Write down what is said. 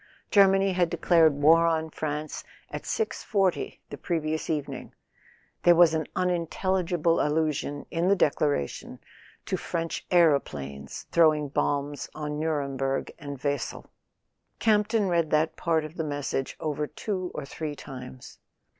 Germany had declared war on France at 6.40 the previous evening; there was an unintelligible allusion, in the declaration, to French aeroplanes throwing bombs on Nuremberg and Wesel. Campton read that part of the message over two or three times.